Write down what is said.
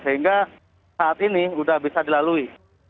sehingga saat ini sudah bisa dilalui